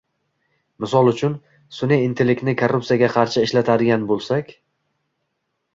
Misol uchun, sunʼiy intellektni korrupsiyaga qarshi ishlatadigan boʻlsak